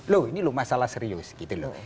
loh ini loh masalah serius gitu loh